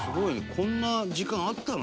こんな時間あったの？